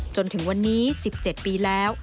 จนถึงวันนี้๑๗ปีแล้ว